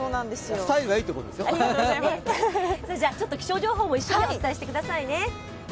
気象情報も一緒にお伝えしてくださいね。